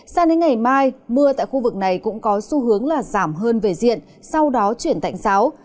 sang đến ngày mai mưa tại khu vực này cũng có xu hướng là giảm hơn về diện sau đó chuyển tạnh giáo